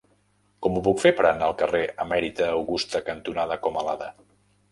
Com ho puc fer per anar al carrer Emèrita Augusta cantonada Comalada?